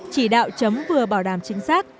chỉ đạo chấm vừa bảo đảm chính xác